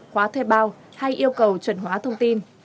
khóa thuê bao hay yêu cầu chuẩn hóa thông tin